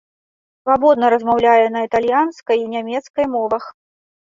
Свабодна размаўляе на італьянскай і нямецкай мовах.